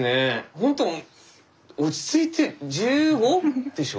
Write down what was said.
ほんと落ち着いて１５？でしょ？